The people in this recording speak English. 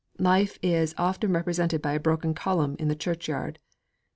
Life is often represented by a broken column in the church yard.